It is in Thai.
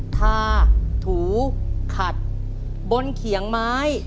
ทาถูขัดบนเขียงไม้